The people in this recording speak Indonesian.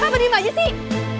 kenapa diem aja sih